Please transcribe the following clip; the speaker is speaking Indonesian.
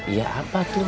iya apa tuh